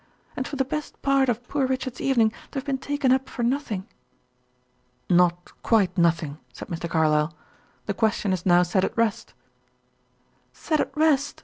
And for the best part of poor Richard's evening to have been taken up for nothing." "Not quite nothing," said Mr. Carlyle. "The question is now set at rest." "Set at rest!"